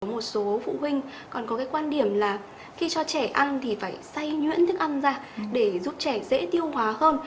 một số phụ huynh còn có cái quan điểm là khi cho trẻ ăn thì phải xay nhuyễn thức ăn ra để giúp trẻ dễ tiêu hóa hơn